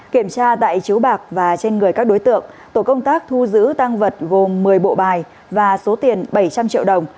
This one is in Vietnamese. kiểm tra tại chiếu bạc và trên người các đối tượng tổ công tác thu giữ tăng vật gồm một mươi bộ bài và số tiền bảy trăm linh triệu đồng